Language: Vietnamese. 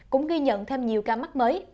cũng ghi nhận thêm nhiều ca mắc mới